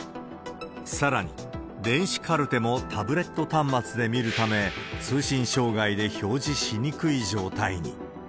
さらに、電子カルテもタブレット端末で見るため、通信障害で表示しにくい状態に。